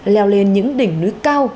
leo lên những đỉnh núi cao